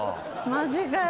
マジかよ。